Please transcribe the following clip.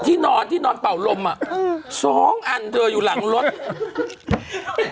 ที่นอนที่นอนเป่าลมอ่ะอืมสองอันเธออยู่หลังรถ